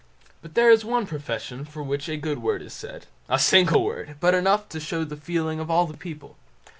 But there is one profession for which a good word is said, a single word, but enough to show the feeling of the people.